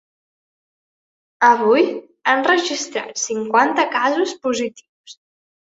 Avui han registrat cinquanta casos positius.